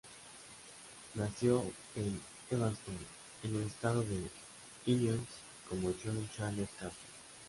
Nació en Evanston, en el estado de Illinois, como John Charles Carter.